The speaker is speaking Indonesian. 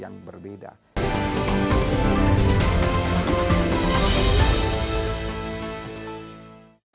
yang tidak bisa membedakan antara kebebasan